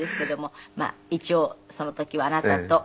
一応その時はあなたと。